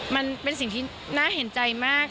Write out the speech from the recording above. มันเป็นสิ่งที่น่าเห็นใจมาก